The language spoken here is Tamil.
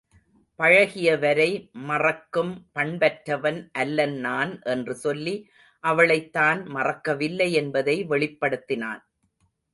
பழகியவரை மறக்கும் பண்பற்றவன் அல்லன்நான் என்று சொல்லி அவளைத் தான் மறக்கவில்லை என்பதை வெளிப்படுத்தினான்.